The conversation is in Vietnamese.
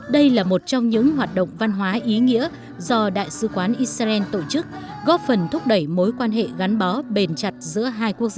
đây là một trong những hoạt động văn hóa ý nghĩa do đại sứ quán israel tổ chức góp phần thúc đẩy mối quan hệ gắn bó bền chặt giữa hai quốc gia